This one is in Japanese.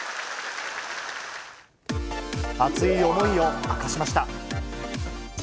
熱い思いを明かしました。